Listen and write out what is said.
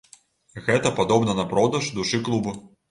Гэта падобна на продаж душы клубу.